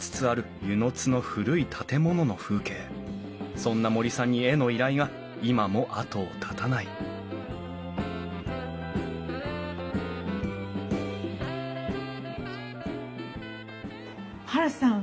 そんな森さんに絵の依頼が今も後を絶たないハルさん。